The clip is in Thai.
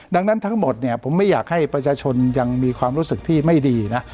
ดังนั้นทั้งหมดเนี่ยผมไม่อยากให้ประชาชนยังมีความรู้สึกที่ไม่ดีนะ